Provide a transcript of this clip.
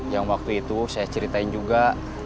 yang waktu itu saya ceritain juga